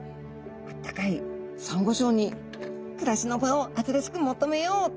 あったかいサンゴ礁に暮らしの場を新しく求めようと。